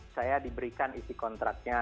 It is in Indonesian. saya diberikan isi kontraknya